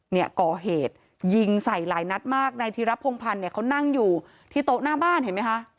เนี่ยก่อเหตุยิงใส่หลายนัดมากนายธิระพงพันธ์เนี่ยเขานั่งอยู่ที่โต๊ะหน้าบ้านเห็นไหมคะ